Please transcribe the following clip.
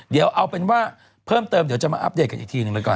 เดี๋ยวเอาเป็นว่าเพิ่มเติมเดี๋ยวจะมาอัปเดตกันอีกทีหนึ่งแล้วกัน